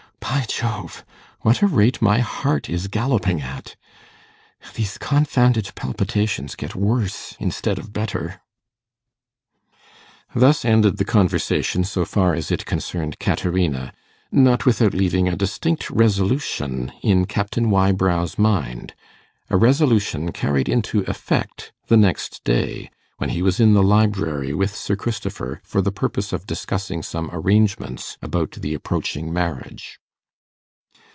By jove, what a rate my heart is galloping at! These confounded palpitations get worse instead of better.' Thus ended the conversation, so far as it concerned Caterina, not without leaving a distinct resolution in Captain Wybrow's mind a resolution carried into effect the next day, when he was in the library with Sir Christopher for the purpose of discussing some arrangements about the approaching marriage.